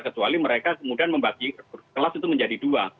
kecuali mereka kemudian membagi kelas itu menjadi dua